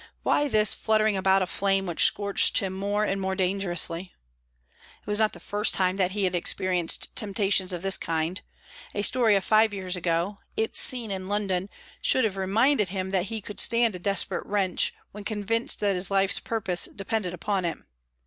Why this fluttering about a flame which scorched him more and more dangerously? It was not the first time that he had experienced temptations of this kind; a story of five years ago, its scene in London, should have reminded him that he could stand a desperate wrench when convinced that his life's purpose depended upon it.